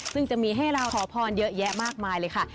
ซึ่งจะมีให้เราขอพรเยอะแยะมากมายเลยค่ะ